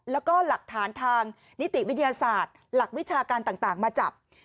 แล้วก็หลักฐานทางนิติวิทยาศาสตร์หลักวิชาการต่างมาจับ